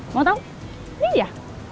mau tau ini dia